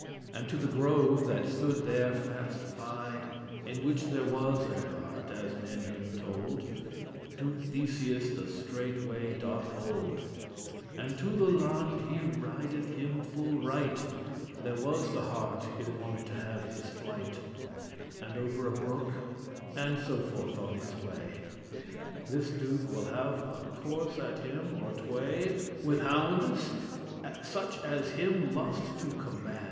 And to the grove, that stood there faste by, In which there was an hart, as men him told, Duke Theseus the straighte way doth hold, And to the laund* he rideth him full right, *plain <33> There was the hart y wont to have his flight, And over a brook, and so forth on his way. This Duke will have a course at him or tway With houndes, such as him lust* to command.